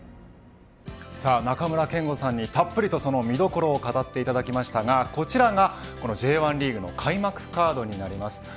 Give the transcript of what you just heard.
中村憲剛さんにたっぷりとその見どころを語っていただきましたがこちらがそのＪ１リーグの開幕カードになります。